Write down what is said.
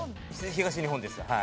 東日本ですはい。